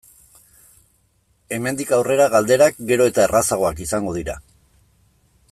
Hemendik aurrera galderak gero eta errazagoak izango dira.